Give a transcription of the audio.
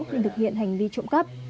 nên thực hiện hành vi trộm cắp